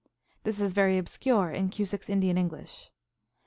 [This is very obscure in Cusick s Indian English.